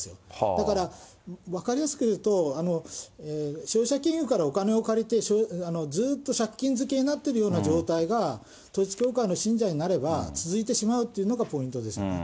だから、分かりやすく言うと、消費者金融からお金を借りて、ずっと借金漬けになっているような状態が、統一教会の信者になれば、続いてしまうというのがポイントですね。